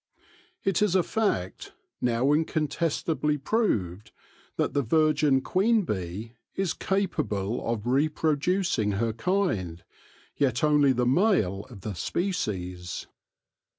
It is a fact, now iacontestably proved, that the virgin queen bee is capable of reproducing her kind, yet only the male of the species.